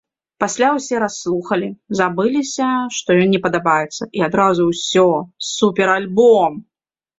Пасля ўсе расслухалі, забыліся, што ён не падабаецца, і адразу ўсё, суперальбом!